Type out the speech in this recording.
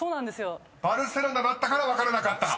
［バルセロナだったから分からなかった？］